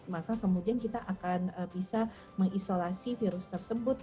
maka kemudian kita akan bisa mengisolasi virus tersebut